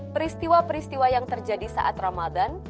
peristiwa peristiwa yang terjadi saat ramadan